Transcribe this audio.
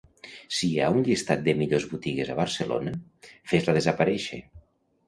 Si hi ha un llistat de millors botigues a Barcelona, fes-la desaparèixer.